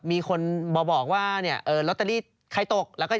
มีคนมาบอกว่าเนี่ยลอตเตอรี่ใครตก